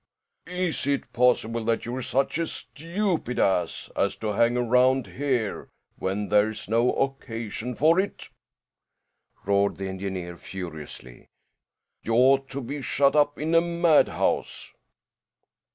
"Is it possible that you're such a stupid ass as to hang round here when there's no occasion for it?" roared the engineer, furiously. "You ought to be shut up in a madhouse."